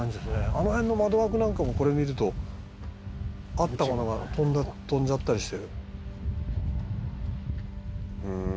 あの辺の窓枠なんかもこれ見るとあったものが飛んじゃったりして。